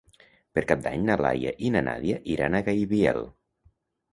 Per Cap d'Any na Laia i na Nàdia iran a Gaibiel.